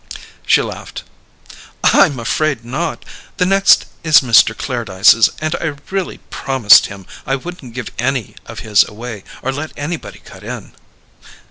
She laughed. "I'm afraid not. The next is Mr. Clairdyce's and I really promised him I wouldn't give any of his away or let anybody cut in."